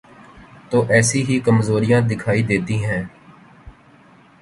تو ایسی ہی کمزوریاں دکھائی دیتی ہیں۔